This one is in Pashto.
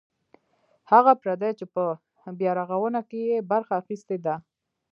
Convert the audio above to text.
هغه پردي چې په بیارغاونه کې یې برخه اخیستې ده.